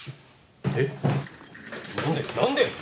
えっ何で？